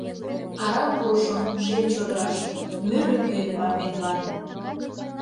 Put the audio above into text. Арам пурышым шем чодыраш, «Мӧрӧ кӱын» манметлан.